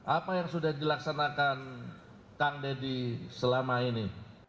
apa yang sudah dilaksanakan kang deddy selama ini